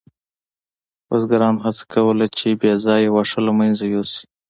بزګرانو هڅه کوله چې بې ځایه واښه له منځه یوسي.